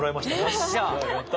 よっしゃあ！